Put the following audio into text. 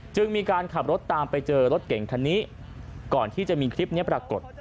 จึงมีการขับรถตามไปเจอรถเก่งคันนี้ก่อนที่จะมีคลิปนี้ปรากฏ